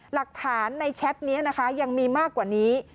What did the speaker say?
หลักฐานในแชทนี้นะคะยังมีมากกว่านี้